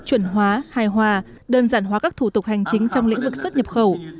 chuẩn hóa hài hòa đơn giản hóa các thủ tục hành chính trong lĩnh vực xuất nhập khẩu